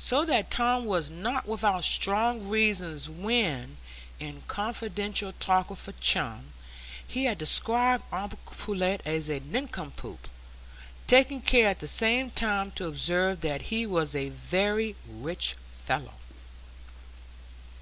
So that Tom was not without strong reasons when, in confidential talk with a chum, he had described uncle Pullet as a nincompoop, taking care at the same time to observe that he was a very "rich fellow."